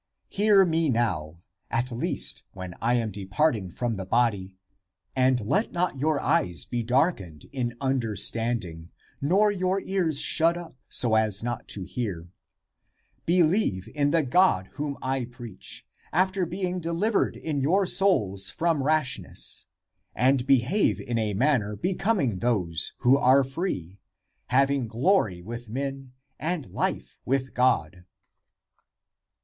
" Hear me now, at least, when I am depart ing from the body; and let not your eyes be dark ened in understanding, nor your ears shut up, so as not to hear ! Believe in the God whom I preach, after being delivered in your souls from rashness; and behave in a manner becoming those who are free, having glory with men and life with God."